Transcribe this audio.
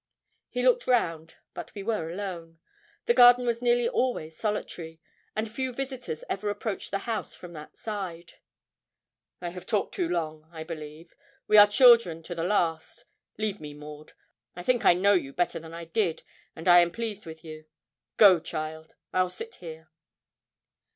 He looked round, but we were alone. The garden was nearly always solitary, and few visitors ever approached the house from that side. 'I have talked too long, I believe; we are children to the last. Leave me, Maud. I think I know you better than I did, and I am pleased with you. Go, child I'll sit here.'